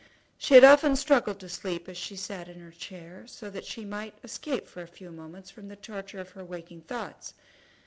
She had often struggled to sleep as she sat in her chair, so that she might escape for a few moments from the torture of her waking thoughts.